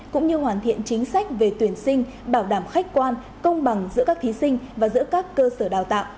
cũng như hoàn thiện chính sách về tuyển sinh bảo đảm khách quan công bằng giữa các thí sinh và giữa các cơ sở đào tạo